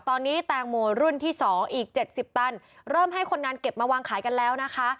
ตอนนี้แตงโมรุ่นที่๒อีก๗๐ตันเริ่มให้คนงานเก็บมาวางขายกันแล้วนะคะ